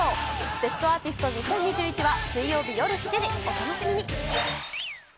ベストアーティスト２０２１は水曜日夜７時、お楽しみに。